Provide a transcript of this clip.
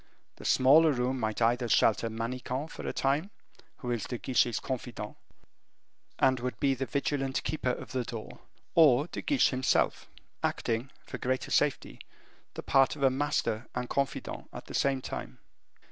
The smaller room might either shelter Manicamp for a time, who is De Guiche's confidant, and would be the vigilant keeper of the door, or De Guiche himself, acting, for greater safety, the part of a master and confidant at the same time.